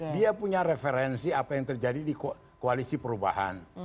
dia punya referensi apa yang terjadi di koalisi perubahan